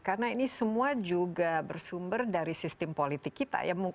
karena ini semua juga bersumber dari sistem politik kita